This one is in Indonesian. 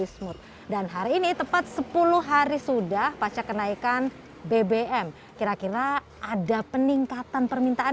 smooth dan hari ini tepat sepuluh hari sudah pasca kenaikan bbm kira kira ada peningkatan permintaan